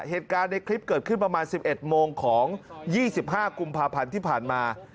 เหตุการณ์ในคลิปเกิดขึ้นประมาณ๑๑โมงของ๒๕กุมภาพันธ์ที่ผ่านมา